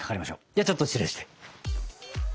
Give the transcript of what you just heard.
ではちょっと失礼して。